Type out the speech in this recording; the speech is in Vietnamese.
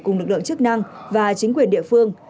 cùng lực lượng chức năng và chính quyền địa phương